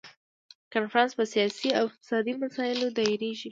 کنفرانس په سیاسي او اقتصادي مسایلو دایریږي.